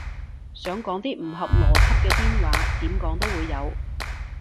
想講啲唔合邏輯嘅癲話，點講都會有